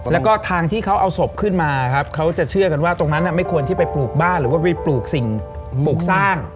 แล้วก็ทางที่เขาเอาศพขึ้นมาครับเขาจะเชื่อกันว่าตรงนั้นไม่ควรที่ไปปลูกบ้านหรือว่าไปปลูกสิ่งปลูกสร้าง